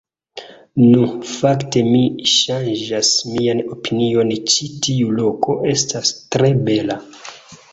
Nu, fakte mi ŝanĝas mian opinion ĉi tiu loko estas tre bela